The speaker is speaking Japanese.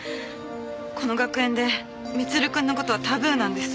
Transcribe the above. この学園で光留くんの事はタブーなんです。